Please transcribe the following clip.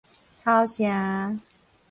頭城